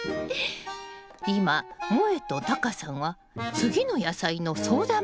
今もえとタカさんは次の野菜の相談みたいよ。